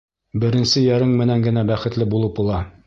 Беренсе йәрең менән генә бәхетле булып була.